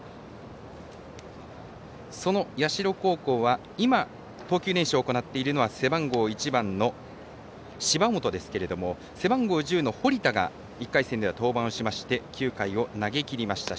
その社高校は今投球練習を行っているのは背番号１番の芝本ですけども背番号１０の堀田が１回戦では登板しまして９回を投げきりました。